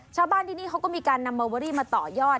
ชาวบ้านที่นี่เขาก็มีการนำมาเวอรี่มาต่อยอด